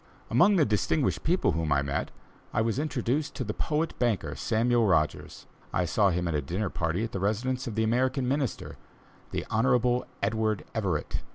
Among the distinguished people whom I met, I was introduced to the poet banker, Samuel Rogers. I saw him at a dinner party at the residence of the American Minister, the Honorable Edward Everett.